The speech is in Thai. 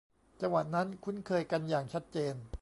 จังหวะนั้นคุ้นเคยกันอย่างชัดเจน